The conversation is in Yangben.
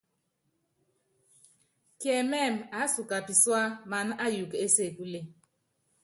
Kiɛmɛ́mɛ, aásuka pisúa mana ayuukɔ é sekule.